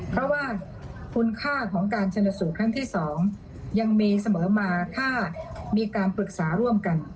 เพราะว่าคุณค่าของการชนสูตรครั้งที่๒ยังมีเสมอมาถ้ามีการปรึกษาร่วมกัน